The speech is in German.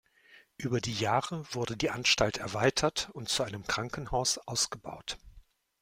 Über die Jahre wurde die Anstalt erweitert und zu einem Krankenhaus ausgebaut.